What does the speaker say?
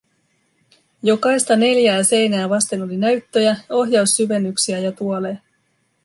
Jokaista neljää seinää vasten oli näyttöjä, ohjaussyvennyksiä ja tuoleja.